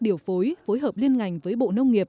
điều phối phối hợp liên ngành với bộ nông nghiệp